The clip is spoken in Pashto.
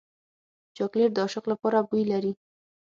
چاکلېټ د عاشق لپاره بوی لري.